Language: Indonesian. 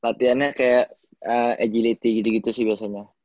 latihannya kayak agility gitu gitu sih biasanya